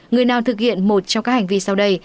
người nào thực hiện một trong các hành vi sau đây